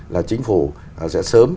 là chính phủ sẽ sớm